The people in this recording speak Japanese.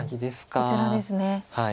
こちらですね。